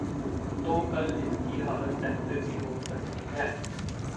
تو کل اس کی حالت بہتر بھی ہو سکتی ہے۔